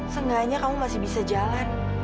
seenggaknya kamu masih bisa jalan